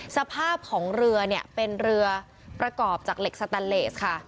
สภาพของเรือเนี่ยเป็นเรือประกอบจากเหล็กสแตนเลสค่ะ